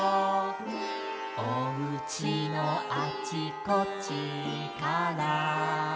「おうちのあちこちから」